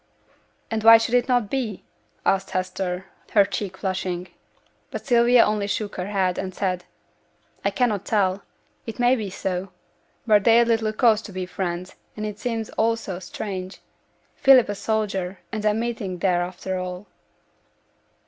'And why should it not be?' asked Hester, her cheek flushing. But Sylvia only shook her head, and said, 'I cannot tell. It may be so. But they'd little cause to be friends, and it seems all so strange Philip a soldier, and them meeting theere after all!'